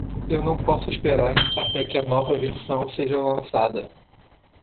Eu não posso esperar até que a nova versão seja lançada.